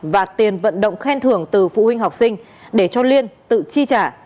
và tiền vận động khen thưởng từ phụ huynh học sinh để cho liên tự chi trả